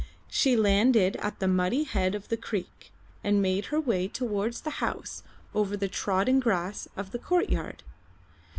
She landed at the muddy head of the creek and made her way towards the house over the trodden grass of the courtyard.